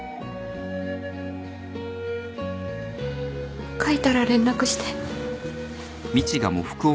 書いたら連絡して。